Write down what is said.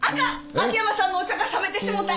秋山さんのお茶が冷めてしもうた！